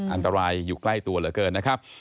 อันตรายอยู่ใกล้ตัวเหลือเกินนะครับ